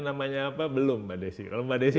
namanya apa belum mbak desi kalau mbak desi